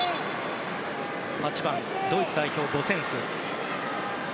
８番ドイツ代表のゴセンス。